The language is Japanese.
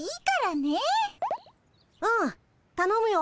うんたのむよ